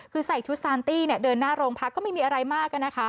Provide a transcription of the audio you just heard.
คือใส่ชุดซานตี้เดินหน้าโรงพักก็ไม่มีอะไรมากนะคะ